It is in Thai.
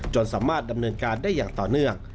สามารถดำเนินการได้อย่างต่อเนื่อง